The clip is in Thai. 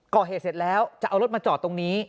ก่อเหตุเสร็จแล้วจะเอารถมาจอดตรงนี้